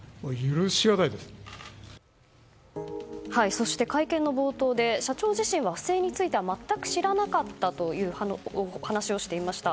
そして、会見の冒頭で社長自身は不正については全く知らなかったという話をしていました。